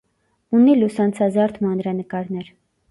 Ունի լուսանցազարդ մանրանկարներ։